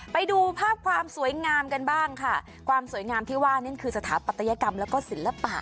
ไปดูภาพความสวยงามกันบ้างค่ะความสวยงามที่ว่านั่นคือสถาปัตยกรรมแล้วก็ศิลปะ